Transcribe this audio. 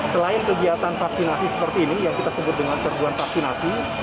selain kegiatan vaksinasi seperti ini yang kita sebut dengan serbuan vaksinasi